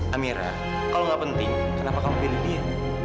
amira kalau gak penting kenapa kamu pilih dia